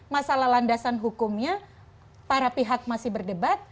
masalah landasan hukumnya para pihak masih berdebat